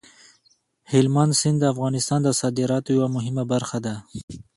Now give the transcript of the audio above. هلمند سیند د افغانستان د صادراتو یوه مهمه برخه ده.